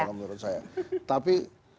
menurut saya tapi